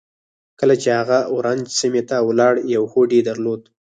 کله چې هغه اورنج سيمې ته ولاړ يو هوډ يې درلود.